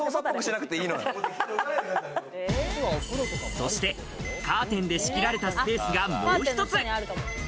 そして、カーテンで仕切られたスペースがもう一つ。